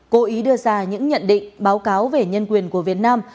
cố ý đưa ra những nhận định báo cáo về nhân quyền của việt nam